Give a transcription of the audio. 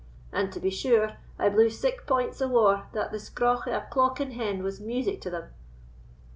and, to be sure, I blew sic points of war that the scraugh of a clockin hen was music to them."